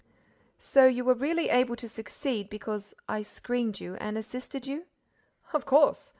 "So you were really able to succeed because I screened you and assisted you?" "Of course!